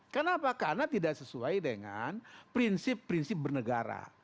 kenapa karena tidak sesuai dengan prinsip prinsip bernegara